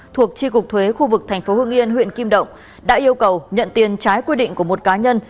thuộc tri cục thuế khu vực thành phố hương yên huyện kim động đã yêu cầu nhận tiền trái quy định của một cá nhân